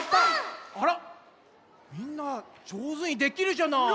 あらみんなじょうずにできるじゃない？